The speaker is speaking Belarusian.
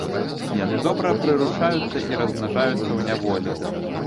Яны добра прыручаюцца і размнажаюцца ў няволі.